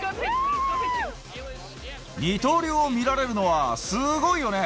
二刀流を見られるのはすごいよね。